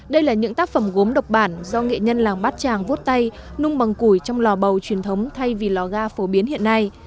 đây là những tác phẩm gốm độc bản do nghệ nhân làng bát tràng vút tay nung bằng củi trong lò bầu truyền thống thay vì lò ga phổ biến hiện nay